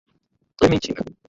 Clementina